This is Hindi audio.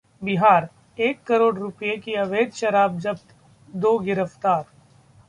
बिहारः एक करोड़ रुपये की अवैध शराब जब्त, दो गिरफ्तार